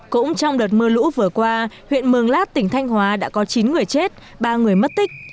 cũng trong đợt mưa lũ vừa qua huyện mường lát tỉnh thanh hóa đã có chín người chết ba người mất tích